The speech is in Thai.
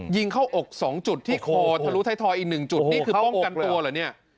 ยิงเข้าอก๒จุดที่คอทะลุท้ายทอยอีก๑จุดนี่คือป้องกันตัวเหรอเนี่ย